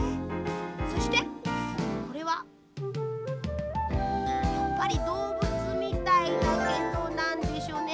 そしてこれはやっぱりどうぶつみたいだけどなんでしょうね。